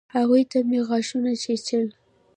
هغوى ته مې غاښونه چيچل.